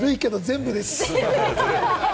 ずるいけれど、全部です。